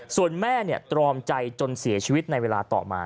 ส่วนแม่ตรอมใจจนเสียชีวิตในเวลาต่อมา